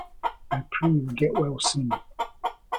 I pray you will get well soon.